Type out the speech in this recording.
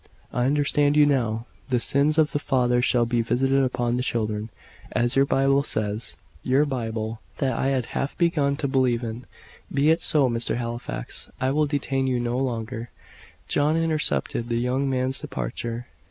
"I understand you now. 'The sins of the fathers shall be visited upon the children,' as your Bible says your Bible, that I had half begun to believe in. Be it so. Mr. Halifax, I will detain you no longer." John intercepted the young man's departure.